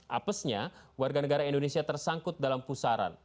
apesnya warga negara indonesia tersangkut dalam pusaran